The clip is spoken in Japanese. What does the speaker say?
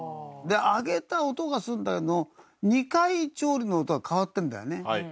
で揚げた音がするんだけど２回調理の音が変わってるんだよね。